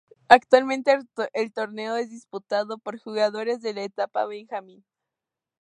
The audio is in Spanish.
Actualmente, el torneo es disputado por jugadores de la etapa benjamín.